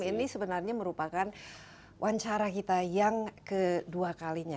ini sebenarnya merupakan wawancara kita yang kedua kalinya